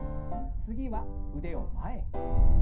次は腕を前。